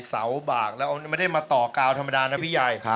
เสาบากแล้วไม่ได้มาต่อกาวธรรมดานะพี่ยาย